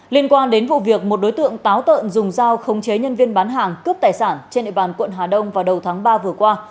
liên quan đến vụ việc một đối tượng táo tợn dùng dao khống chế nhân viên bán hàng cướp tài sản trên địa bàn quận hà đông vào đầu tháng ba vừa qua